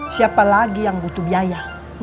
siapa lagi yang butuh biaya